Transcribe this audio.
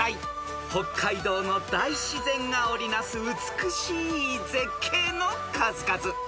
［北海道の大自然が織り成す美しい絶景の数々］